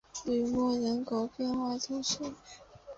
吕莫人口变化图示